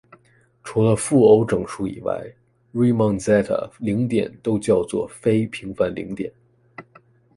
除了负偶整数以外 ，Riemann zeta 零点都叫做“非平凡零点”。